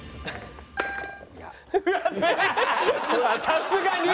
さすがに？